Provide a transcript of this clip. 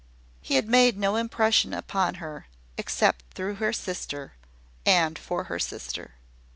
He had made no impression upon her, except through her sister, and for her sister.